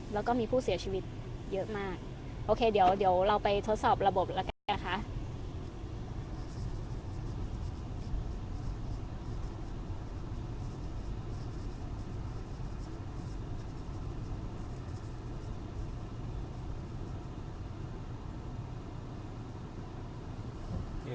แล้วก็มีผู้เสียชีวิตเยอะมากโอเคเดี๋ยวเราไปทดสอบระบบแล้วกันนะคะ